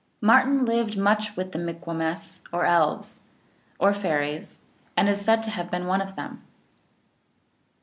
Martin lived much with the Mikumwess or Elves, or Fairies, and is said to have been one of them.